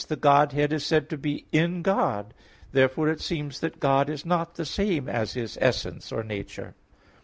the Godhead is said to be in God. Therefore it seems that God is not the same as His essence or nature.